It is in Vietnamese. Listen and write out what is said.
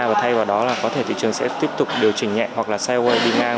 và thay vào đó là có thể thị trường sẽ tiếp tục điều chỉnh nhẹ hoặc là xeo hay đi ngang